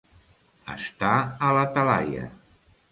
Estar a la talaia.